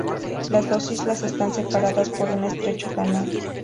Las dos islas están separadas por un estrecho canal.